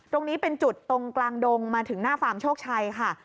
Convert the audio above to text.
ตรงนี้เป็นจุดตรงกลางดงมาถึงหน้าฟาร์มโชคชัยค่ะ